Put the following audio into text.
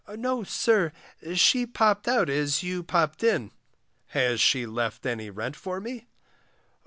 No, sir, she popped out as you popped in. Has she left any rent for me?